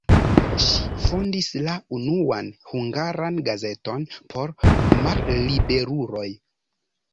Ŝi fondis la unuan hungaran gazeton por malliberuloj.